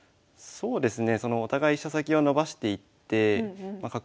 そうですね。